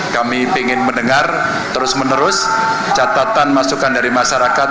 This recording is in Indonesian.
kami ingin mendengar terus menerus catatan masukan dari masyarakat